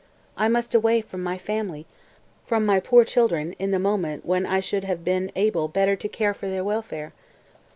I must away from my family, from my poor children in the moment when I should have been able better to care for their welfare!"